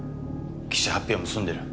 記者発表も済んでる。